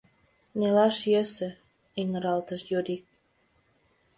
— Нелаш йӧсӧ, — эҥыралтыш Юрик.